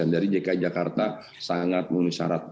jadi dki jakarta sangat memusarat